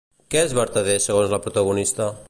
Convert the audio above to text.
Què és vertader segons la protagonista?